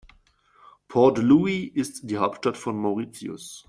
Port Louis ist die Hauptstadt von Mauritius.